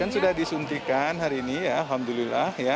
sudah disuntikan hari ini ya alhamdulillah ya